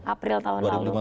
april tahun lalu